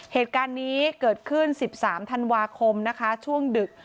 เหตุการณ์นี้เกิดขึ้น๑๓ธันวาคมนะคะช่วงดึก